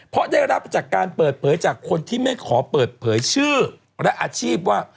เพราะได้รับจากการเปิดเผยจากคนที่ไม่ขอเปิดเผยชื่อและอาชีพว่า